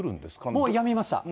もうやみました？